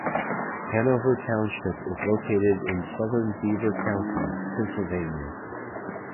Hanover Township is located in southern Beaver County, Pennsylvania.